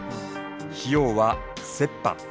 費用は折半。